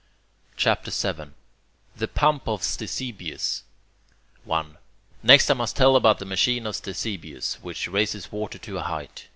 CHAPTER VII THE PUMP OF CTESIBIUS 1. Next I must tell about the machine of Ctesibius, which raises water to a height.